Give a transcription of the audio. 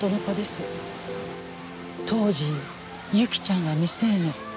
当時侑希ちゃんは未成年。